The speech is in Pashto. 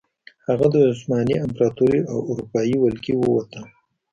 هغه د عثماني امپراتورۍ او اروپايي ولکې ووتل.